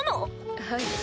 はい。